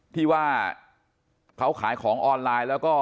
ที่ว่าเขาขายของออนไลน์แล้วก็